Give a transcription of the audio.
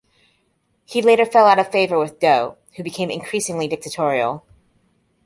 He later fell out of favor with Doe, who became increasingly dictatorial.